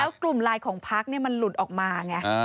แล้วกลุ่มไลน์ของพักมันหลุดออกมาไง